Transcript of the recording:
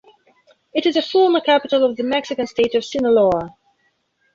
It is a former capital of the Mexican state of Sinaloa.